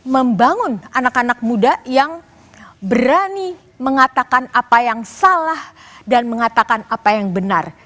membangun anak anak muda yang berani mengatakan apa yang salah dan mengatakan apa yang benar